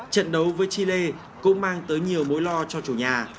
trận đấu với chile cũng mang tới nhiều mối lo cho chủ nhà